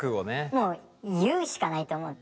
もう言うしかないと思って。